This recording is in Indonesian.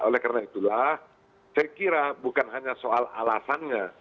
oleh karena itulah saya kira bukan hanya soal alasannya